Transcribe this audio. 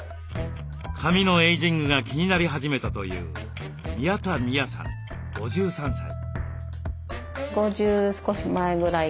髪のエイジングが気になり始めたという宮田美弥さん５３歳。